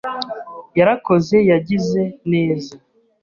yarakoze yagize neza.